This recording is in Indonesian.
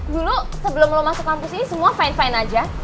dulu sebelum lo masuk kampus ini semua fine fine aja